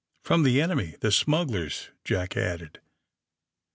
'' ^^From the enemy, the smugglers," Jack added.